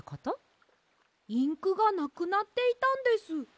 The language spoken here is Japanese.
インクがなくなっていたんです。